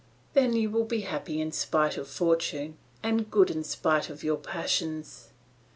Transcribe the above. Then you will be happy in spite of fortune, and good in spite of your passions.